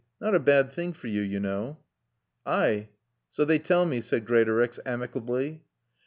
Not a bad thing for you, you know." "Ay. Saw they tall me," said Greatorex amicably.